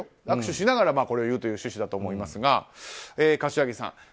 握手しながらこれを言うという趣旨だと思いますが柏木さん。